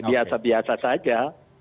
itu adalah dinamika biasa biasa saja